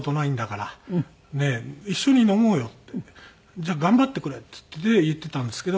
「じゃあ頑張ってくれ」って言ってたんですけど